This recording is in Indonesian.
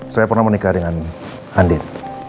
saya pernah menikah dengan andir